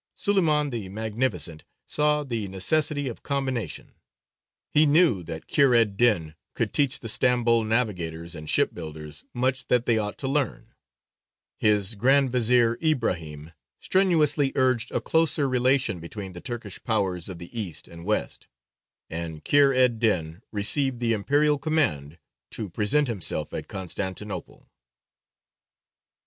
Suleymān the Magnificent saw the necessity of combination; he knew that Kheyr ed dīn could teach the Stambol navigators and ship builders much that they ought to learn; his Grand Vezīr Ibrahīm strenuously urged a closer relation between the Turkish powers of the east and west; and Kheyr ed dīn received the Imperial command to present himself at Constantinople.